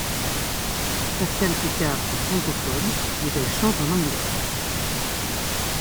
Pascale Picard est francophone, mais elle chante en anglais.